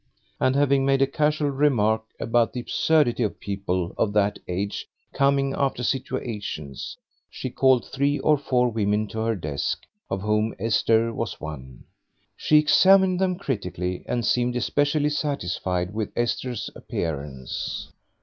And having made casual remarks about the absurdity of people of that age coming after situations, she called three or four women to her desk, of whom Esther was one. She examined them critically, and seemed especially satisfied with Esther's appearance.